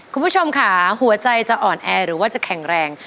คุณผู้ชมค่ะหัวใจจะอ่อนแอหรือว่าจะแข็งแรง